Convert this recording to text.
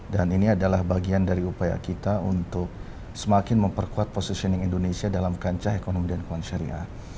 dan ini adalah bagian dari upaya kita untuk semakin memperkuat positioning indonesia dalam kancah ekonomi dan keuangan syariah